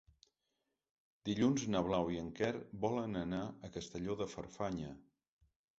Dilluns na Blau i en Quer volen anar a Castelló de Farfanya.